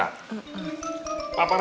apa rasanya itu belum perlu